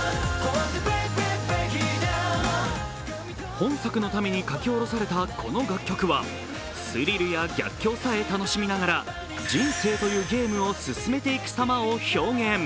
本作のために書き下ろされたこの楽曲は、スリルや逆境さえ楽しみながら、人生というゲームを進めていく様を表現。